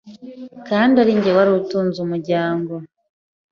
kandi arinjye wari utunze umuryango